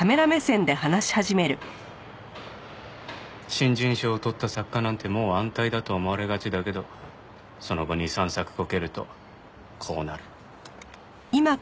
新人賞を取った作家なんてもう安泰だと思われがちだけどその後２３作コケるとこうなる。